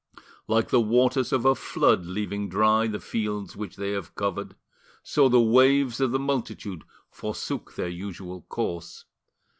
Like the waters of a flood leaving dry the fields which they have covered, so the waves of the multitude forsook their usual course.